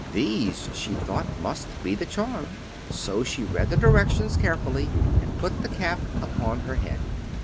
These, she thought, must be the charm, so she read the directions carefully and put the Cap upon her head.